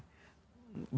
belum bayar kontennya nih